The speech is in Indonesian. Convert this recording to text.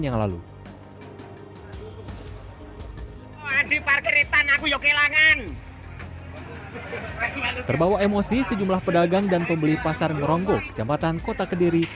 yang lalu emosi sejumlah pedagang dan pembeli pasar ngeronggol kecamatan kota kediri